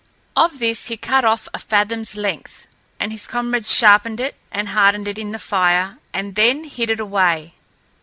Of this he cut off a fathom's length, and his comrades sharpened it and hardened it in the fire and then hid it away.